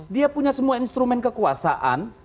dia punya semua instrumen kekuasaan